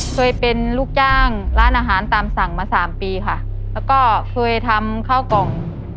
เคยเป็นลูกจ้างร้านอาหารตามสั่งมาสามปีค่ะแล้วก็เคยทำข้าวกล่อง